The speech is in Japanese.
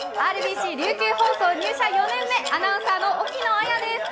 ＲＢＣ琉球放送入社４年目、アナウンサーの沖野綾亜です。